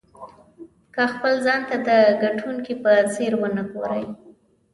که خپل ځان ته د ګټونکي په څېر ونه ګورئ.